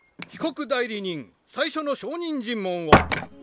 被告代理人最初の証人尋問を。